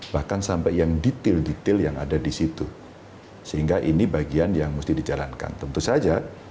bahkan sampai yang detail detail yang ada di situ sehingga ini bagian yang mesti dijalankan tentu saja